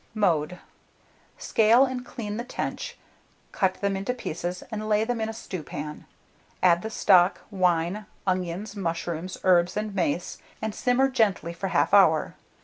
Mode. Scale and clean the tench, cut them into pieces, and lay them in a stewpan; add the stock, wine, onions, mushrooms, herbs, and mace, and simmer gently for 1/2 hour.